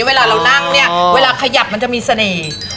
เวลาเรานั่งเนี่ยเวลาขยับมันจะมีเสน่ห์